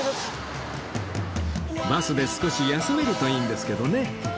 バスで少し休めるといいんですけどね